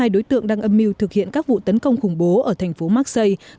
hai đối tượng đang âm mưu thực hiện các vụ tấn công khủng bố ở thành phố maxi